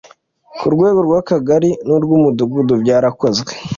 Ku rwego rw Akagari n urw Umudugudu byarakozwe